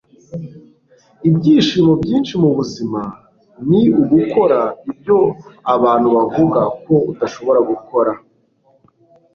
ibyishimo byinshi mubuzima ni ugukora ibyo abantu bavuga ko udashobora gukora